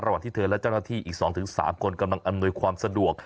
ที่เธอและเจ้าหน้าที่อีก๒๓คนกำลังอำนวยความสะดวก